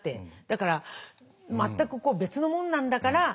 だから全く別のものなんだから。